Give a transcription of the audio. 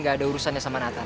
gak ada urusannya sama nathan